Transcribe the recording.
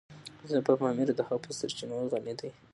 افغانستان په پامیر او د هغې په سرچینو غني دی.